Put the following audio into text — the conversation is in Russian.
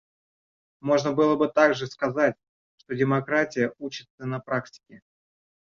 Можно было бы также сказать, что демократия учится на практике.